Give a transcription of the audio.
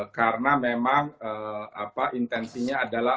karena memang intensinya adalah